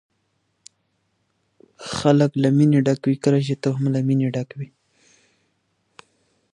لاندي غوښه د ژمي په یخ موسم کې کلي کې ځانګړی خوند لري.